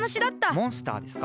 モンスターですか？